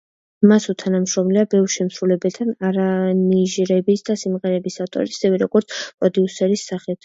მას უთანამშრომლია ბევრ შემსრულებელთან არანჟირების და სიმღერების ავტორის, ისევე, როგორც პროდიუსერის სახით.